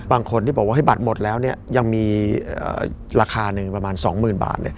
บางคนที่บอกว่าให้บัตรหมดแล้วยังมีราคาหนึ่งประมาณ๒๐๐๐บาท